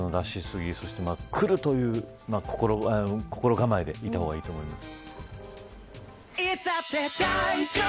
スピードの出し過ぎそしてくるという心構えでいた方がいいと思います。